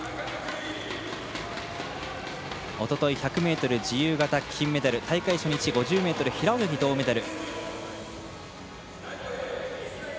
おととい１００ｍ自由形金メダル大会初日５０ｍ平泳ぎ銅メダル。